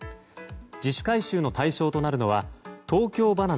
自主回収の対象となるのは東京ばな